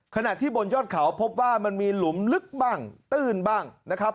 ขณะที่บนยอดเขาพบว่ามันมีหลุมลึกบ้างตื้นบ้างนะครับ